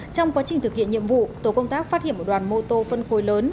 trong quá trình thực hiện nhiệm vụ tổ công tác phát hiện một đoàn mô tô phân khối lớn